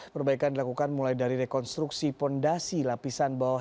perbaikan dilakukan mulai dari rekonstruksi fondasi lapisan bawah